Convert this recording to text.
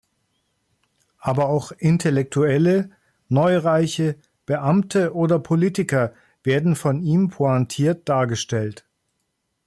Aber auch Intellektuelle, Neureiche, Beamte oder Politiker werden von ihm pointiert dargestellt.